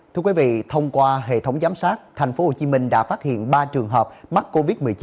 thưa quý vị thông qua hệ thống giám sát thành phố hồ chí minh đã phát hiện ba trường hợp mắc covid một mươi chín